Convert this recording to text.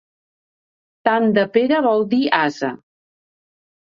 Tant de Pere vol dir ase.